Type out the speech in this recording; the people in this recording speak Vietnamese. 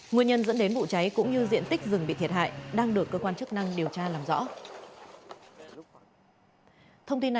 nguyên nhân dẫn đến vụ cháy cũng như diện tích rừng bị thiệt hại đang được cơ quan chức năng điều tra làm rõ